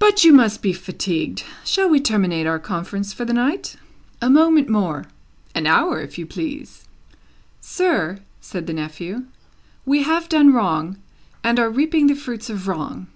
But you must be fatigued. Shall we terminate our conference for the night?" "A moment more." "An hour, if you please." "Sir," said the nephew, "we have done wrong, and are reaping the fruits of wrong."